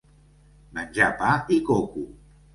Menjar pa i coco.